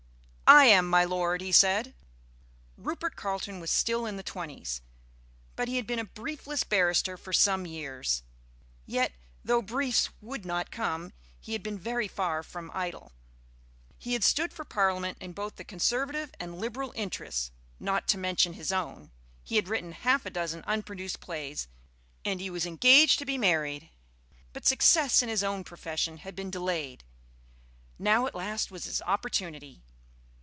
"I am, my Lord," he said. Rupert Carleton was still in the twenties, but he had been a briefless barrister for some years. Yet, though briefs would not come, he had been very far from idle. He had stood for Parliament in both the Conservative and Liberal interests (not to mention his own), he had written half a dozen unproduced plays, and he was engaged to be married. But success in his own profession had been delayed. Now at last was his opportunity.